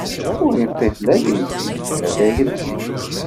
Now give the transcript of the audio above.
Ur iṭṭif la agelzim, la tagelzimt.